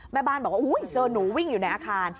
แม่บ้านบอกว่าเจอหนูวิ่งอยู่ในอาคาร